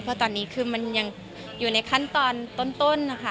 เพราะตอนนี้คือมันยังอยู่ในขั้นตอนต้นนะคะ